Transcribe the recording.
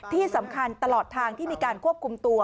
ที่สำคัญตลอดทางที่มีการควบคุมตัว